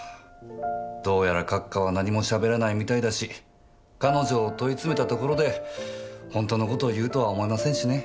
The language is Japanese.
どうやら閣下は何もしゃべらないみたいだし彼女を問い詰めたところで本当のことを言うとは思えませんしね。